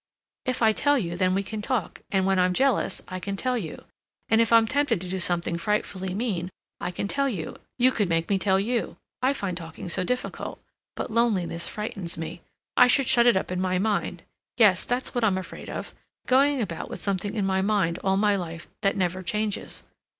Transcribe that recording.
"If I tell you, then we can talk; and when I'm jealous, I can tell you. And if I'm tempted to do something frightfully mean, I can tell you; you could make me tell you. I find talking so difficult; but loneliness frightens me. I should shut it up in my mind. Yes, that's what I'm afraid of. Going about with something in my mind all my life that never changes.